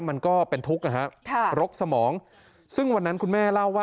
มันก็เป็นทุกข์นะฮะรกสมองซึ่งวันนั้นคุณแม่เล่าว่า